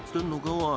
おい。